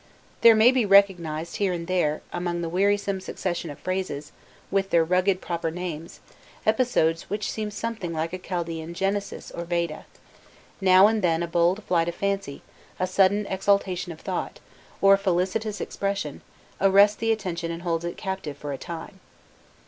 There may be recognized here and there, among the wearisome successions of phrases, with their rugged proper names, episodes which seem something like a Chaldaean "Genesis" or "Veda;" now and then a bold flight of fancy, a sudden exaltation of thought, or a felicitous expression, arrests the attention and holds it captive for a time.